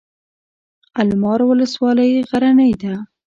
المار ولسوالۍ غرنۍ ده؟